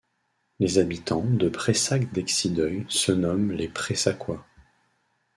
Les habitants de Preyssac-d'Excideuil se nomment les Preyssacois.